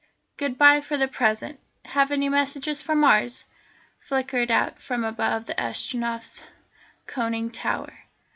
"Goodbye for the present! Have you any messages for Mars?" flickered out from above the Astronef's conning tower.